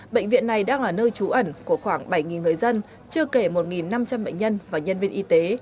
bệnh viện này đang là nơi trú ẩn của khoảng bảy người dân chưa kể một năm trăm linh bệnh nhân và nhân viên y tế